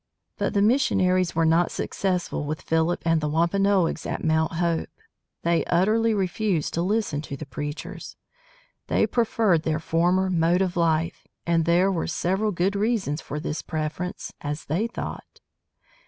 But the missionaries were not successful with Philip and the Wampanoags at Mount Hope. They utterly refused to listen to the preachers. They preferred their former mode of life, and there were several good reasons for this preference, as they thought.